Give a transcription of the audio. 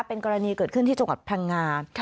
เป็นกรณีเกิดขึ้นที่จังหวัดพังงา